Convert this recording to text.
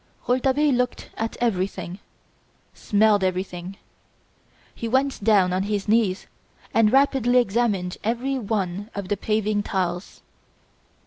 Rouletabille looked at everything, smelled everything. He went down on his knees and rapidly examined every one of the paving tiles.